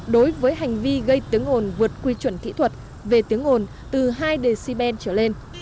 đối với hành vi gây tiếng ồn vượt quy chuẩn thỹ thuật về tiếng ồn từ hai db trở lên